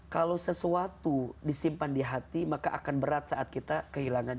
kalau sesuatu disimpan di hati maka akan berat saat kita kehilangan